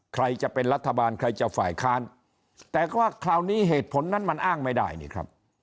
ใครจะเป็นรัฐบาลใครจะฝ่ายค้านแต่ก็คราวนี้เหตุผลนั้นมันอ้างไม่ได้นี่ครับ